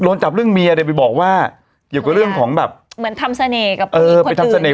โดนจับเรื่องเมียเลยไปบอกว่าเกี่ยวกับเรื่องของแบบเหมือนทำเสน่ห์กับผู้หญิงคนอื่น